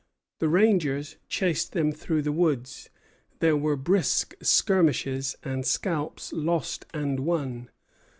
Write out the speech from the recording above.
The rangers chased them through the woods; there were brisk skirmishes, and scalps lost and won.